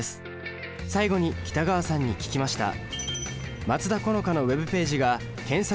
最後に北川さんに聞きました。